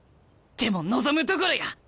でも望むところや！